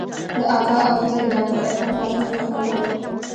د اکا او بيا د ډاکتر عرفان لاسونه مې ښکل کړل.